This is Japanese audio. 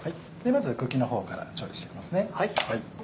まず茎の方から調理していきますね。